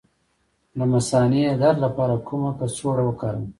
د مثانې د درد لپاره کومه کڅوړه وکاروم؟